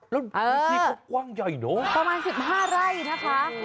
แล้วพื้นที่เขากว้างใหญ่เนอะประมาณ๑๕ไร่นะคะ